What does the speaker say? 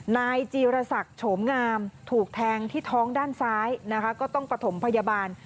นายจีรศักดิ์โฉมงามถูกแทงที่ท้องด้านซ้ายนะคะก็ต้องประถมพยาบาล